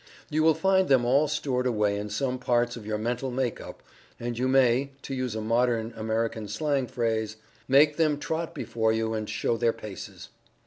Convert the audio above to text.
You will find them all stored away in some parts of your mental make up, and you may (to use a modern American slang phrase) "make them trot before you, and show their paces."